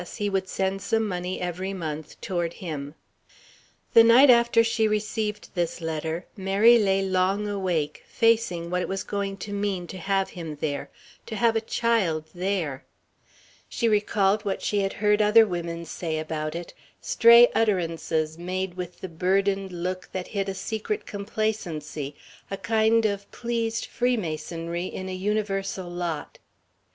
He would send some money every month "toward him." The night after she received this letter, Mary lay long awake, facing what it was going to mean to have him there: to have a child there. She recalled what she had heard other women say about it, stray utterances, made with the burdened look that hid a secret complacency, a kind of pleased freemasonry in a universal lot.